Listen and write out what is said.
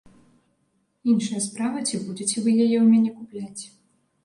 Іншая справа, ці будзеце вы яе ў мяне купляць.